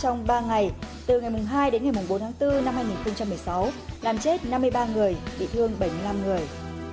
trong ba ngày từ ngày hai đến ngày bốn tháng bốn năm hai nghìn một mươi sáu làm chết năm mươi ba người bị thương bảy mươi năm người